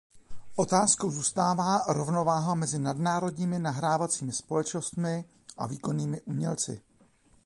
Otázkou zůstává rovnováha mezi nadnárodními nahrávacími společnostmi a výkonnými umělci.